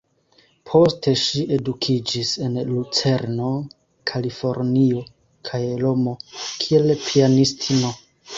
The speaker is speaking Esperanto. Poste ŝi edukiĝis en Lucerno, Kalifornio kaj Romo kiel pianistino.